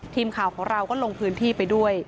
ทีมข่าวของเราก็ลงพื้นที่ไปด้วย